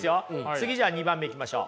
次じゃあ２番目いきましょう。